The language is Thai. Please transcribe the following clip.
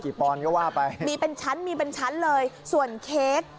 กี่ปอนก็ว่าไปมีเป็นชั้นเลยส่วนเค้ก